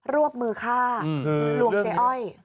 ลวกมือค่าลวกเจ๊อ้อย